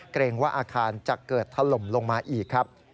เกรงว่าอาคารจะเกิดถล่มลงมาอีกครับ